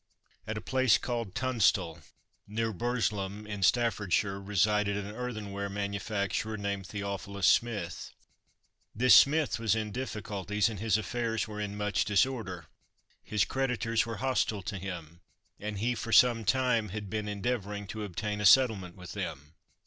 At a place called Tunstall, near Burslem, in Staffordshire, resided an earthenware manufacturer named Theophilus Smith. This Smith was in difficulties and his affairs were in much disorder. His creditors were hostile to him, and he for some time had been endeavouring to obtain a settlement with them.